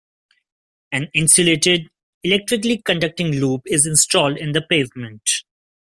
An insulated, electrically conducting loop is installed in the pavement.